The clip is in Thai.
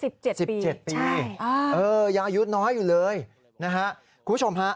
๑๗ปีใช่อย่างอายุน้อยอยู่เลยนะฮะคุณผู้ชมฮะ